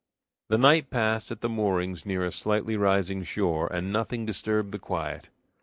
The night passed at the moorings near a slightly rising shore, and nothing disturbed the quiet.